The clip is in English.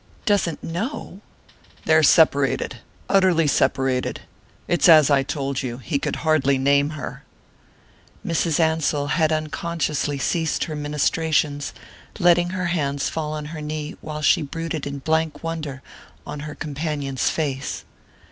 "Doesn't know?" "They're separated utterly separated. It's as I told you: he could hardly name her." Mrs. Ansell had unconsciously ceased her ministrations, letting her hands fall on her knee while she brooded in blank wonder on her companion's face.